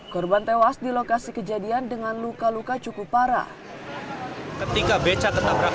korban tewas di lokasi kejadian dengan luka luka cukup parah